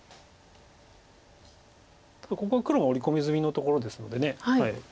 ただここは黒が織り込み済みのところですので。